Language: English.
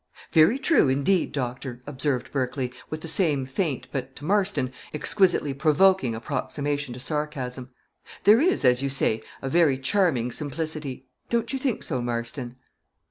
"Very true, indeed, doctor," observed Berkley, with the same faint, but, to Marston, exquisitely provoking approximation to sarcasm. "There is, as you say, a very charming simplicity. Don't you think so, Marston?"